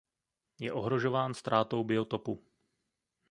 Je ohrožován ztrátou biotopu.